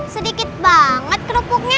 sedikit banget kerupuknya